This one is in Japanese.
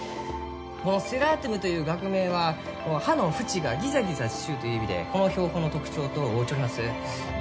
このセラーテムという学名は葉の縁がギザギザしちゅうという意味でこの標本の特徴と合うちょります。